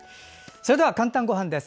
それでは「かんたんごはん」です。